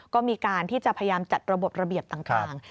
ก็มีการที่จะพยายามจัดระบบระเบียบต่าง